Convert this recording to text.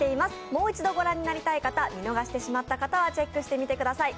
もう一度御覧になりたい方、見逃してしまった方はチェックしてみてください。